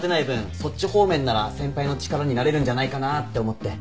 そっち方面なら先輩の力になれるんじゃないかなって思って。